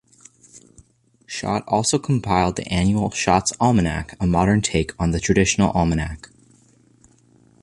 Schott also compiled the annual "Schott's Almanac", a modern take on the traditional almanac.